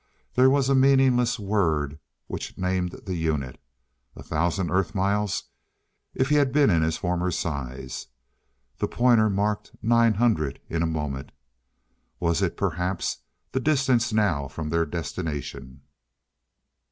There was a meaningless word which named the unit. A thousand Earth miles, if he had been in his former size? The pointer marked nine hundred in a moment. Was it, perhaps, the distance now from their destination?